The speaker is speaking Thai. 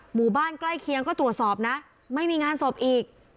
หมู่บ้านใกล้เคียงก็ตรวจสอบนะไม่มีงานศพอีก